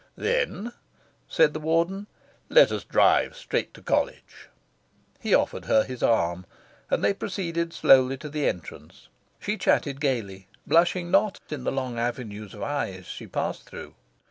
"Then," said the Warden, "let us drive straight to College." He offered her his arm, and they proceeded slowly to the entrance. She chatted gaily, blushing not in the long avenue of eyes she passed through.